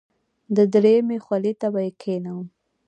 دریمې خولې ته به یې کېنوم.